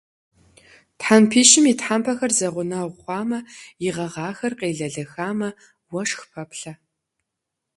Тхьэмпищым и тхьэмпэхэр зэгъунэгъу хъуамэ, и гъэгъахэр къелэлэхамэ, уэшх пэплъэ.